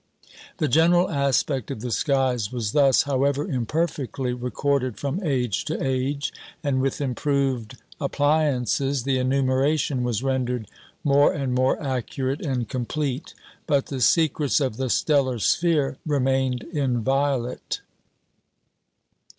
The general aspect of the skies was thus (however imperfectly) recorded from age to age, and with improved appliances the enumeration was rendered more and more accurate and complete; but the secrets of the stellar sphere remained inviolate.